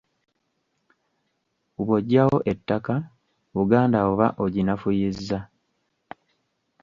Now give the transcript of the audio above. Bw'oggyawo ettaka, Buganda oba oginafuyizza.